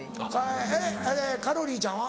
えっカロリーちゃんは？